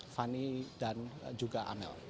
fanny dan juga amel